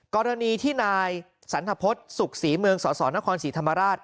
กรณีที่นายสันทพฤษสุขศรีเมืองสสนครศรีธรรมราช